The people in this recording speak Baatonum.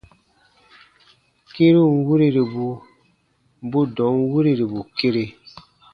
Kĩrun wiriribu bu dɔ̃ɔn wirirbu kere.